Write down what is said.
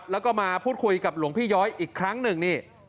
แล้วก็มาพูดคุยแบบหลวงพี่ย้อยที่อีกครั้งนึง